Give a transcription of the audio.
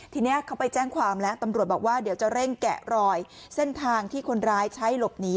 ทีนี้เขาไปแจ้งความแล้วตำรวจบอกว่าเดี๋ยวจะเร่งแกะรอยเส้นทางที่คนร้ายใช้หลบหนี